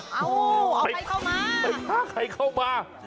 โอ้โหเอาใครเข้ามา